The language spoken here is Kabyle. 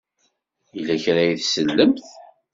Yella kra ay tsellemt?